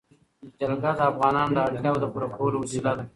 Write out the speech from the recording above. جلګه د افغانانو د اړتیاوو د پوره کولو وسیله ده.